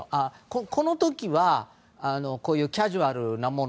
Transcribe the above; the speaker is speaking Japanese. この時はこういうカジュアルなもの